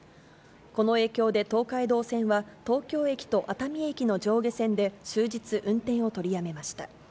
この影響で東海道線は、東京駅と熱海駅の上下線で終日、運転を取りやめました。